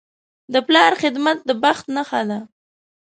د پلار خدمت د بخت نښه ده.